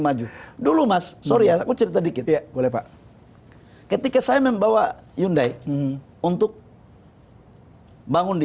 maju dulu mas sorry aku cerita dikit ya boleh pak ketika saya membawa hyundai untuk bangun di